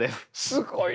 すごいな！